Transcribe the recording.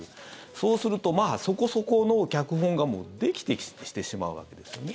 そうすると、そこそこの脚本がもうできてしまうわけですよね。